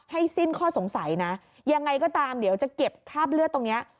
สิ้นข้อสงสัยนะยังไงก็ตามเดี๋ยวจะเก็บคราบเลือดตรงนี้